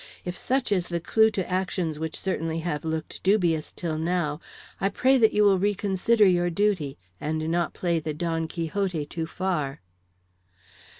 If such is the clew to actions which certainly have looked dubious till now, I pray that you will reconsider your duty and not play the Don Quixote too far."